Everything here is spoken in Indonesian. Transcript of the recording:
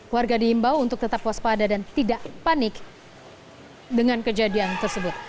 warga diimbau untuk tetap waspada dan tidak panik dengan kejadian tersebut